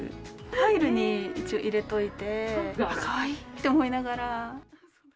ファイルに一応入れといて、かわいいって思いながら。